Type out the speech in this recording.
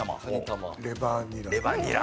レバニラ。